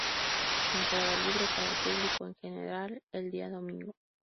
Entrada libre para el público en general el día Domingo.